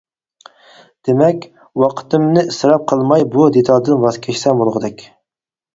دېمەك. ۋاقتىمنى ئىسراپ قىلماي بۇ دېتالدىن ۋاز كەچسەم بولغۇدەك.